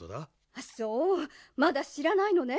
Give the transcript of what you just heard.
あそうまだしらないのね。